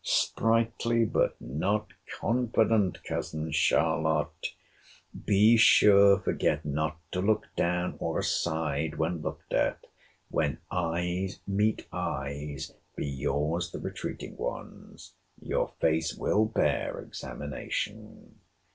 Sprightly, but not confident, cousin Charlotte!—Be sure forget not to look down, or aside, when looked at. When eyes meet eyes, be your's the retreating ones. Your face will bear examination.